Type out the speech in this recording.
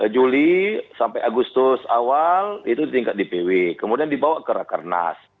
juli sampai agustus awal itu tingkat dpw kemudian dibawa ke rakan nas